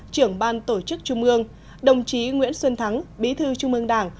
trưởng ban tổ chức trung ương đồng chí nguyễn xuân thắng bí thư trung ương đảng